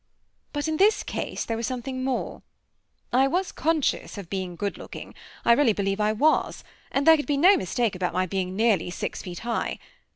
But in this case there was something more. I was conscious of being good looking. I really believe I was; and there could be no mistake about my being nearly six feet high.